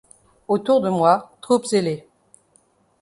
Autour de moi, troupes ailées